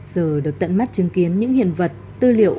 giờ được tận mắt chứng kiến những hiện vật tư liệu